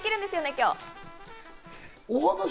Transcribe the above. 今日。